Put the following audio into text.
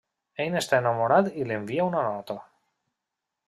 Ell n’està enamorat i li envia una nota.